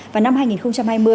vào năm hai nghìn hai mươi